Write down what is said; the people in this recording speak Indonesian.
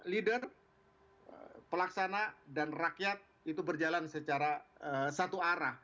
leader pelaksana dan rakyat itu berjalan secara satu arah